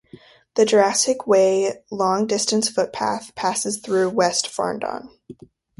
The Jurassic Way long distance footpath passes through West Farndon.